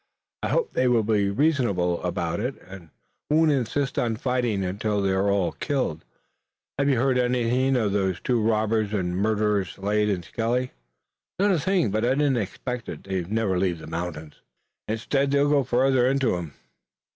"I hope they'll be reasonable about it, and won't insist on fighting until they're all killed. Have you heard anything of those two robbers and murderers, Slade and Skelly?" "Not a thing. But I didn't expect it. They'd never leave the mountains. Instead they'll go farther into 'em."